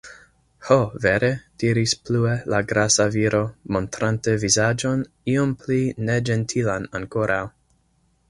Ho, vere!? diris plue la grasa viro, montrante vizaĝon iom pli neĝentilan ankoraŭ.